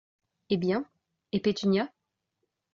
Eh bien, et Pétunia ?